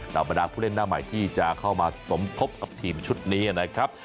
บรรดาผู้เล่นหน้าใหม่ที่จะเข้ามาสมทบกับทีมชุดนี้นะครับ